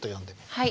はい。